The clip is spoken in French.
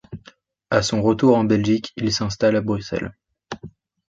À son retour en Belgique, il s'installe à Bruxelles.